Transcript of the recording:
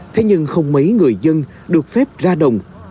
thế nhưng không mấy người dân được phép ra đồng